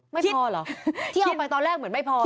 ไม่พอเหรอที่เอาไปตอนแรกเหมือนไม่พอ